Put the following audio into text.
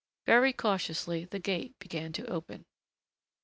Very cautiously, the gate began to open.